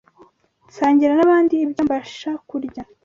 nsangira n’abandi ibyo mbasha kurya